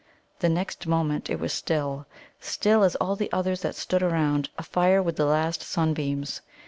The next moment it was still still as all the others that stood around, afire with the last sunbeams.